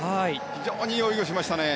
非常にいい泳ぎをしましたね。